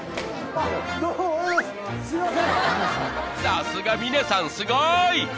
［さすが峰さんすごい］